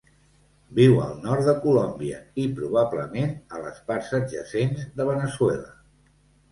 Viu al nord de Colòmbia i, probablement, a les parts adjacents de Veneçuela.